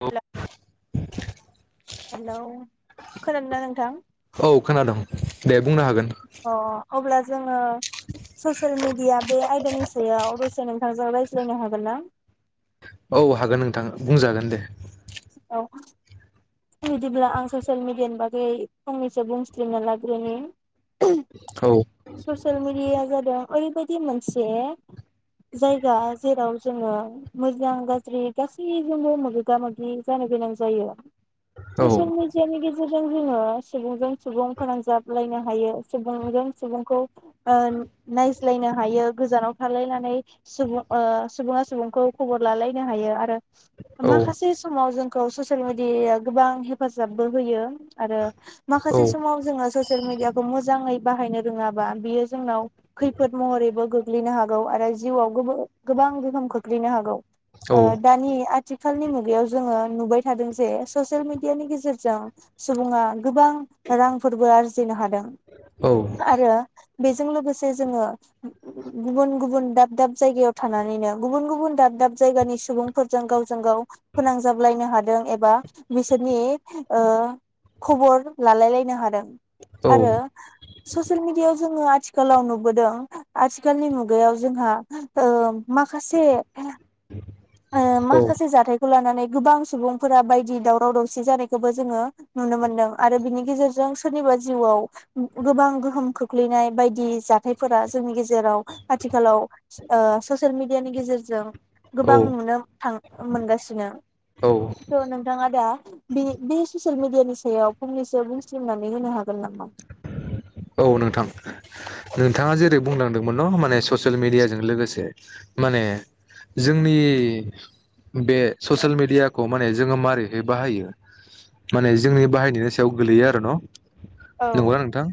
औ। [unintelligible] हेल' खोनादों ना नोंथां। औ खोनादोंं दे बुंनो हागोन! अ अब्ला जोङो ससियेल मेडिया बे आयदानि सायाव दसे नोंथांजों रायज्लायनो हागोन ना। औ हागोन नोंथां बुंजागोन दे। बिदिब्ला आं ससियेल मिडियानि बागै फंनैसो बुंसलिमना लाग्रोनि। औ ससियेल मिडिया जादों ओरैबायदि मोनसे जायगा जेराव जोङो मोजां गाज्रि गासैजोंबो मोगा मोग गि जानो गोनां जायो। औ ससियेल मिडियानि गेजेर जों जोङो सुबुंजों सुबुं फोनांजाबलायनो हायो। सुबुंजों सुबुंखौ ओ नायज्लायनो हायो। गोजानाव थालायनानै सुबुं ओ सुबुङा सुबुंखौ खबर लालायनो हायो आरो औ माखासे समाव जोंखौ ससियेल मिदिया गोबां हेफाजाबबो होयो आरो औ माखासे समाव जोङो ससियेल मिडियाखौ मोजाङै बाहायनो रोङाबा बियो जोंनाव खैफोद महरैबो गोग्लैनो हागौ आरो जिउआव गोबो गोबां गोहोम खोख्लैनो हागौ ओ दानि आथिखालनि मुगायाव जोङो नुबाय थादों जे ससेयेल मिेडियानि गेजेरजों सुबुङा गोबां रांफोरबो आरजिनो हादों आरो बेजों लोगोसे जोङो गुबुन गुबुन दाब दाब जायगायाव थानानैनो गुबुन गुबुन दाब दाब जायगानि सुबुंफोरजों गावजों गाव फोनांजाबलायनो हादों एबा बिसोरनि ओ खबर लालायलायनो हादों आरो ससियेल मिडियायाव जोङो आथिखालाव नुबोदों आथिखालनि मुगायाव जोंहा ओ माखासे ओ माखासे जाथायखौ लानानै गोबां सुबुंफोरा बायदि दावराव दावसि जानायखौबो जोङो नुनो मोनदों आरो बिनि गेजेरजों सोरनिबा जिउआव गोबां गोहोम खोख्लैनाय बायदि जाथायफोरा जोंनि गेजेराव आथिखालाव ओ ससियेल मेडियानि गेजेरजों औ गोबां। नुनो औ थां-मोनगासिनो नोंथाङा दा बि बि ससियेल मिडियानि सायाव फंनैसो बुंस्लिमनानै होनो हागोन नामा? औ नोंथां नोंथाङा जेरै बुंलांदोंमोन न माने ससियेल मिडियाजों लोगोसे माने जोंनि बे ससियेल मिडिया खौ माने जोङो मारैहै बाहायो माने जोंनि बाहायनायनि सायाव गोलैयो आरो न। औ नोंगौना नोंथां।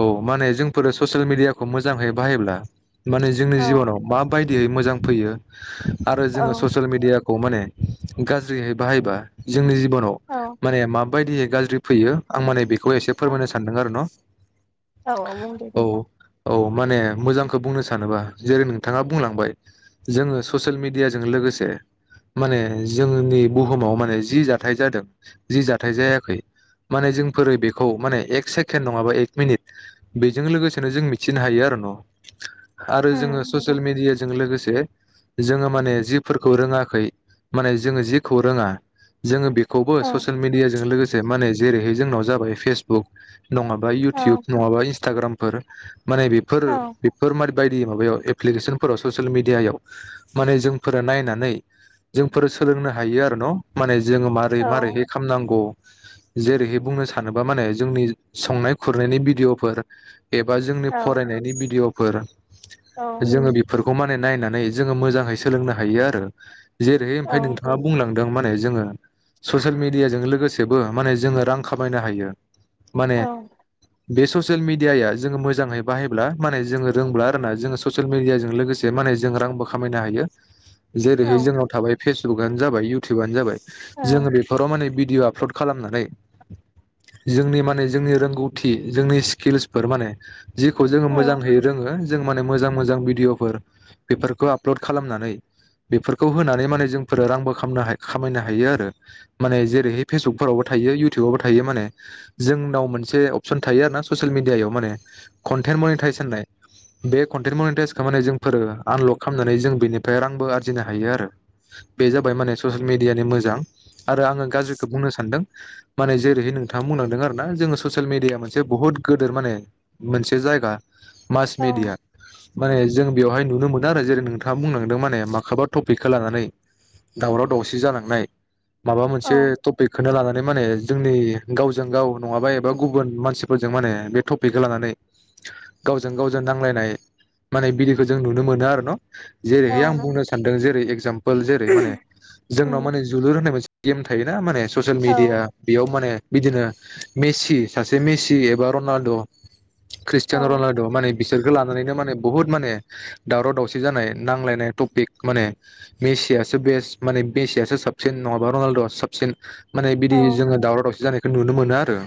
औ माने जों फोरो ससियेल मिडियाखौ मोजाङै बाहायब्ला माने जोंनि औ जिबनाव मा बायद दियै मोजां फैयो। आरो जोङो औ ससियेल मिडिया खौ माने गाज्रिहै बाहायोबा जोंनि जि बनाव औ माने मा बायदियै गाज्रि फैयो आं माने बे खौ एसे फोरमायनो सानदों आरो न'। औ [unintelligible] औ औ। माने मोजांखो बुंनो सानोबा जेरै नोंथाङा बुंलांबाय जोङो ससियेल मेडियाजों लोगोसे माने जोंनि बुहुमाव माने जि जाथाय जादों जि जाथाय जायाखै माने जोंफोरो बेखौ माने एक सेकेणड नङाबा एक मिनिट बि जों लोगोसेनो जों मिथिनो हायो आरो न'। आरो जोङो उम नंगौ ससियेल मिडियाजों लोगोसे जोङो माने जिफोरखौ रोङाखै माने जोङो जिखौ रोङा जोङो बेख खौबो औ ससेयेल मिडियाजों लोगोसे माने जेरैहाय जोंनाव जाबाय फेसबुक नङाबा इउटुब औ नङाबा इनस इन्टाग्रामफोर। माने बेफोर औ बेफोर मा बायदि माबायाव ऐप्लिकेसन ससेलमिदिया माने जोंनोफोरा नायनानै जोंफोरो सोलोंनो हायो आरो न माने जोङो मारै मारै है खामनांगौ। जेरैहाय बुंनो सानोबा माने जोंनि संनाय खुरनायनि भिडिअ'फोर एबा जोंनि औ फरायनायनि भिडिअ' फोर औ जोङो बेफोरखौ मा नायनानै जोङो मोजांङै सोलोंनो हायो आरो। जेरै औ ओमफ्राय नोंथाङा बुंलां दों माने जोङो ससियेल मेदियाजों लोगोसेबो माने जोङो रां खामायनो हायो। माने औ बे स सियेल मिडियाया जोङो मोजाङै बाहायब्ला माने जोङो रोंब्ला आरो ना जोङो ससियेल मिडियाजों लोगोसे माने जों रांबो खामायनो हायो। औ ओ जेरैहाय जोंनाव थाबाय फेसबुकआनो जाबाय इउटुबानो जाबाय जोङो बेफोराव माने भि डिअ' आपल'ड खालामनानै जोंनि माने जोंनि रोंगौथि जोंनि खिल्सफोर माने जिखौ जोङो मोजांहै रोङो जो माने मोजां मोजां भिडिअ'फोर बेफोरखौ आपल'ड खालामनानै बेफोरखौ होनानै माने जोंफोरो रां बो खामनो खामायनो हायो आरो। माने जेरै फेसबुकफोरावबो थायो इउटुबफोयावबो थायो माने जोंनाव मोनसे अपसन थायो आरोना ससियेल मिडियायाव माने कन्टेन्ट मनिटाइस होननाय बे कनटेन्ट मनिटाइसखौ माने जोंफोरो आनलक खामनानै जों बेनिफ्राय रांबो आरजिनो हायो आरो। बे जाबाय माने ससियेल मिडियानि मोजां आरो आङो गाज्रिखो बुंनो सानदों माने जेरैहाय नोंथाङा बुंलांदों आरो ना जोङो ससियेल मिडियाया मोनसे बुहुद गोदोर माने मोनसे जायगा मास औ मेडिया माने जों बेवहाय नुनो मोनदों आरो जेरै नोंथां थाङा बुंनांदों माने माखोबा टपिकखौ लानानै दावराव दावसि जालांनाय माबा मोनसे औ टपिकखोनो लानानै बे माने जोंनि गावजों गाव नङाबा एबा गुबुन मानसिफोर जों माने बे टपिकखौ लानानै गावजों गावजों नांलायनाय माने बिदिखो जों नुनो मोनो आरो न। जेरैहाय औ आं नंगौ बुंनो सानदों जेरै एगजामपोल जेरै माने जोंनाव उम माने जोलुर होननाय मोनसे गेम थायोना माने ससियेल औ मिडिया बेयाव माने बिदिनो मेसि सासे मेसि रनाल्ड' औ ख्रिस्टियान' रनाल्द माने बिसोरखो ला नानैनो माने बुहुद माने दावराव दावसि जानाय नांलायनाय टपिक माने मेसियासो बेस् माने मेसियासो साबसिन नङाबा रनाल्द' साबसिन माने औ बिदि जों दावराव दावसि जानाय खो नुनो मोनो आरो।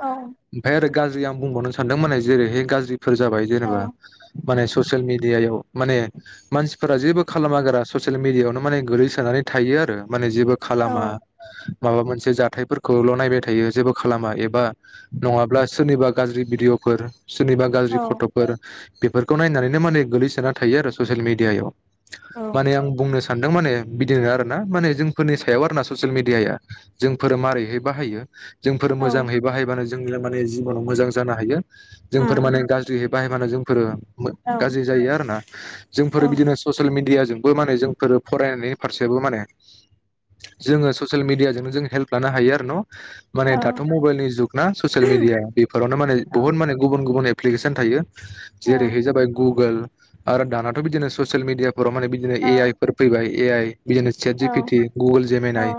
औ ओमफाय आरो गाज्रि आं बुंबावनो सानदोंमोनै जेरैहाय गाज्रि फोर जाबाय औ जेनेबा माने ससियेल मि मिडियाव माने मानसिफोरा जेबो खालामा गारा ससेल मिडियाआवनो माने गोलैसोनानै थायो आरो माने जेबो खालामा माबा मोनसे जाथायफोरखौल' नायबाय थायो जेबो खालामा एबा नङाब्ला सोरनिबा गाज्रि भिडिअ'फोर सोरनिबा औ गाज्रि फट'फोर बेफोरखौ नायनानैनो माने गोलैसोना थायो आरो ससियेल मिडियायाव। माने आं बुंनो सा सानदों माने बिदिनो आरोना माने जोंफोरनि सायाव आरो ना ससियेल मिडियाया जोंफोरो मारैहाय बाहायो। जोंफोर औ मोजांङै बाहायबानो [unintelligible] जिबनाव मोजां जानो हायो उम औ जोंफोर माने गाज्रियै बाहायबानो जोंफोरो मो गाज्रि जायो आरो ना औ जोंफोर बिदिनो ससियेल मिडियाजोंबो माने जोंफोर फरायनानै फारसेबो माने जोङो ससियेल मिडियाजोंनो जों हेल्प लानो हायो आरो न'। औ माने दाथ' मबाइलनि जुग ना ससियेल मिडिया बेफोराव मे बहुत माने गुबुन गुबुन एप्लिकेसन थायो जेरैहाय जाबाय गुगोल आरो दानाथ' बिदिनो ससियेल मिडिया फोर माने बिदिनो ए आइ फोर फैबाय। ए आइ बिदिनो चेट जि पिटि, गुगोल जेम एनाय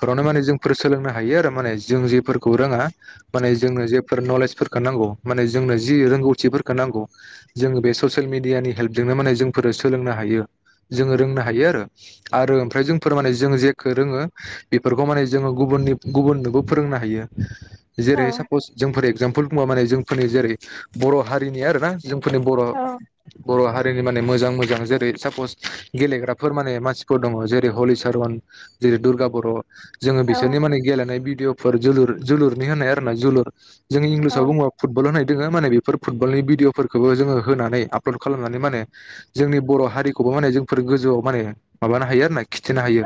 फोरावनो माने जोंफोर सोलोंनो हायो आरो माने जों जेफोरखौ रोङा। माने जोंनो जेफोर नलेजफोरखौ नांगौ माने जोंनो जि रोंगौथिफोरखौ नांगौ जोङो बे ससियेल मिडियानि हेल्पजोंनो माने जोंफोर सोलोंनो हायो जोङो रोंनो हायो आरो आरो ओमफ्राय जोंफोर माने जों जेखौ रोङो बेफोरखौ माने जोङो गुबुननि गुबुननोबो फोरोंनो हायो। जेरै साप'स जोंफोरै एगजामपोल बुङा माने जोंफोरनि जेरै बर' हारिनि आरो ना जोंफोरनि बर' बर' हारि माने मोजां मोजां जेरै साप'स गेलेग्राफोर माने मानसिफोर दङ जेरै हलिचरन जेरै दुर्गा बर' जोङो बिसोरनि माने गेलेनाय बि [unintelligible] जोलुर जोलुर [unintelligible] जोलुर जों इंलिसाव बुङो फुटबल [unintelligible] [unintelligible] माने बेफोर फुटबलनि भिडिअ'फोरखौबो जोङो होनानै आपल'ड खालामनानै माने जोंनि बर' हारिखौबो माने जोंफोर गोजौआव माने माबानो हायो आरो ना खिथिनो हायो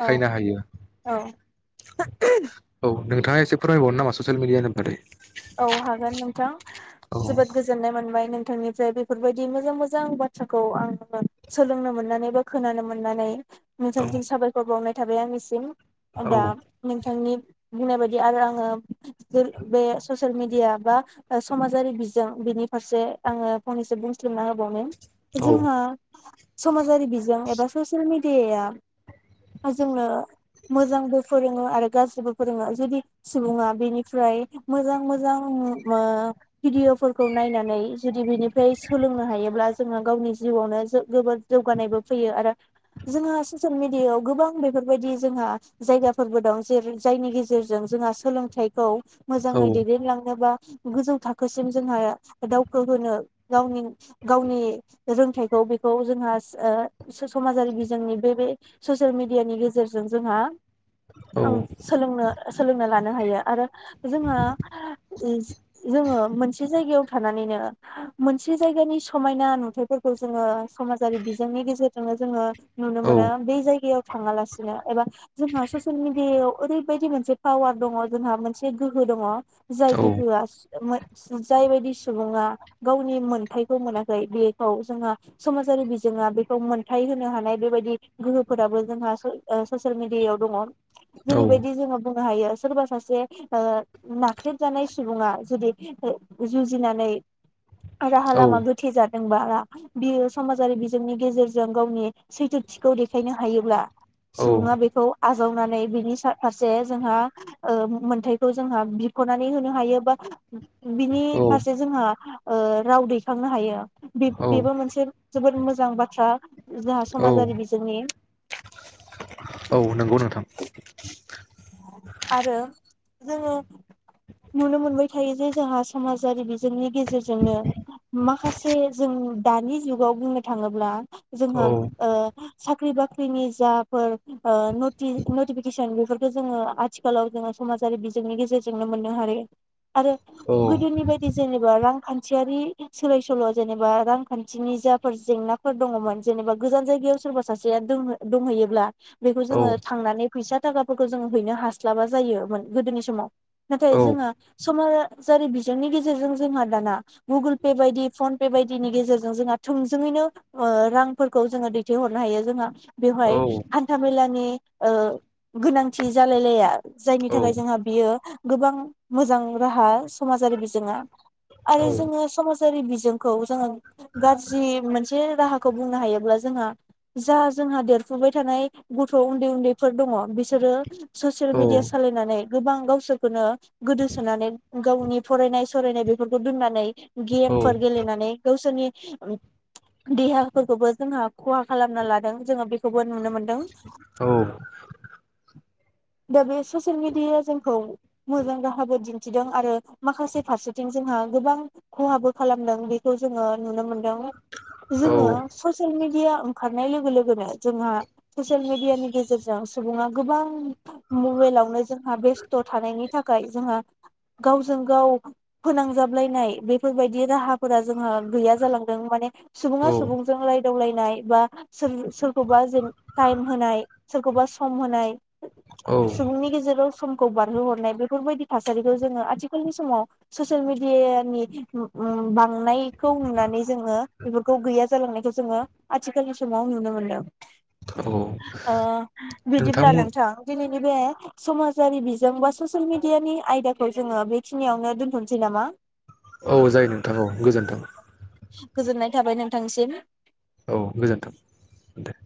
औ हायो औ नों थाङा एसे फोरमायबावनो नामा ससियेल मिडियानि बागै? औ हागोन नोंथां औ बिथांनिफ्राय बेफोरबायदि मोजां मोजां बाथ्राखौ आङो सोलोंनो मोननानै बा खोनानो मोननानै औ नोंथांनिसिम साबायखर बावनाय थाबाय आंनिसिम। दा नोंथांनि बुंनाय बायदि आरो आङो बे बे ससियेल मिडिया बा ओ समाजारि बिजों बिनि फारसे आङो फंनैसो बुंस्लिमना होबावनि। औ जोंहा समाजारि बिजों एबा ससियेल मि डियाया जोंनो मोजांबो फोरोङो आरो गाज्रिबो फोरोङो जुदि सुबुङा बेनिफ्राय मोजां मोजां ओ भिडिअ'फोरखौ नायनानै जुदि बेनिफ्राय सोलोंनो हायोब्ला जोंहा गावनि जिउआवनो जोबोर जौगानायबो फैयो आरो जोंहा ससियेल मेडियायाव गोबां बेफोरबायदि जोंहा जायगाफोरबो दं जेर जायनि गेजेरजों जोंहा सोलोंथाइखौ औ मोजाङै दैदेनलांनोबा गोजौ थाखोसिम जोंहा दावखो होनो गावनि गावनि रोंथाइखौ बेखौ जोंहा ओ समाजारि बिजोंनि बे बे ससियेल मेडियानि गेजेरजों जोंहा औ आं सोलोंनो सोलोंना लानो हायो। आरो जोंहा जोङो मोनसे जायगायाव थानानैनो मोनसे जायगानि समायना नुथायफोरखौ जोङो समाजारि बिजोंनि गेजेरजोंनो जोङो नुनो औ मोनो। बे जायगायाव थाङालासिनो एबा जोंहा ससियेल मिडियायाव ओरैबायदि मोनसे पावार दङ जोंहा मोन से गोहो दङ' जाय गोहोआ [unintelligible] जायबायदि सुबुङा गावनि मोन्थायखौ मोनाखै बेखौ जोंहा समाजारि बिजोङा बेखौ मोन्थाय होनो हानाय बेबायदि गोहोफोराबो जोंहा ससियेल मिडियायाव दङ'। जेरैबायदि जोंहा हायो सोरबा सासे ओ नाख्रेबजानाय सुबुङा जुदि ओ जुजिनानै राहा औ लामा गोथे जा दोंबा बियो समाजारि बिजोंनि गेजेरजों गावनि सैथोथिखौ देखायनो हायोब्ला सुबुङा बेखौ आ आजावनानै बिनि सा फारसे जोंहा ओ मो न्थाइखौ जोंहा बिख'नानै होनो हायो बा बिनि औ फारसे जोंहा ओ राव दैखांनो हायो। औ बेब-बेबो मोनसे जोबोद मोजां बाथ्रा जोंहा औ समाजारि बिजोंनि। औ नंगौ नोंथां [inaudible] आरो जोङो नुनो मोनबाय थायो जे जोंहा समाजारि बिजोंनि गेजेरजोंनो माखासे जों दानि जुगाव बुंनो थाङोब्ला औ जोंहा ओ साख साख्रि बाख्रिनि जाफोर ओ नटि-नटिफिकेसन बेफोर बे जोङो आथिखालाव जोङो समाजारि बिजोंनि गेजेरजोंनो मोननो हायो। आरो औ गोदोनि बायदि जेनेबा रां खान्थियारि सोलाय सोल' जेनेबा रांखान्थिनि जाफोर जेंनाफोर दङमोन जेनेबा गोजान जायगायाव सोरबा सासेया दों-दंहैयोब्ला बेखौ औ जोङो थांनानै फैसा थाखा फोरखौ जोंङो हैनो हास्लाबा जायोमोन गोदोनि समाव। नाथाय औ जोङो समा जारि बिजोंनि गेजेरजों जोंहा दाना गुगोल पे बायदि फन पे बायदिनि गेजेरजों जोंहा थोंजोङैनो ओ रांफोरखौ जोङो दैथायहरनो हायो जोंहा। बेवहाय हान्थामेलानि ओ गोनांथि जालाय लाया जायनि औ थाखाय जोंहा बियो गोबां मोजां राहा समाजारि बिजोङा आरो जोङो समाज जारि बिजोंखौ जोङो गाज्रि मोनसे राहाखौ बुंनो हायोब्ला जोंहा जा जोंहा देरफुबाय थानाय गथ' उन्दै उन्दैफोर दङ। बिसोरो ससियेल औ मिडिया सालायनानै गोबां गावसोरखोनो गोदोसोनानै गावनि फरायनाय फरायनाय बेफोरखौ दोननानै गेमफोर गेलेनानै गावसोरनि [unintelligible] देहाफोरखौबो जोंहा। खहा खालामना लादों जोङो बेखौबो नुनो मोनदों। औ दा बे ससियेल मिडियाया जोंखौ मोजां राहाबो दिन्थिदों आरो माखासे फारसेथिं जोंहा गोबां खहाबो खालामदों बेखौ जोङो नुनो मोन दों जोङो ससियेल मिडि ओंखारनाय लोगो लोगोनो जोंहा ससेल मिदियानि गेजेरजों सुबुङा गोबां। मबेइलावनो जोंहा बेस्थ' थानायनि थाखाय जोंहा गावजों गाव फोनांजाबलायनाय बैफोर बायदि राहाफोरा जोंहा गैया जालांदों माने सुबुङा सुबुंजों रायदावलायनाय। एबा सोर-सोरखौबा टाइम होननाय सोरखौबा सम होनाय। सुबुंनि गेजेराव समखौ बारहोहरनाय बेफोर बायदि थासारिखौ जोङो आथिखालनि समाव ससियेल मेडियानि बांनाय खौ नुनानै जोङो बेफोरखौ गैया जालांनायखौ । जोङो आथिखालनि समाव नुनो मोनदों। औ। ओ बिदिब्ला नोंथांमोन नोंथां दिनैनि बे समाजारि बिजों बा ससियेल मिडियानि आयदाखौ जोङो बेखिनियावनो दोनथ'नोसै नामा। औ जायो नोंथां औ गोजोन्थों। गोजोननाय थाबाय नोंथांसिम। औ गोजोन्थों दे।